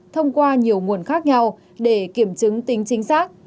thông qua nhiều nguồn khác nhau để kiểm chứng tính chính xác